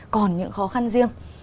còn những khó khăn riêng